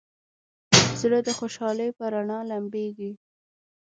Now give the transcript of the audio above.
زړه د خوشحالۍ په رڼا لمبېږي.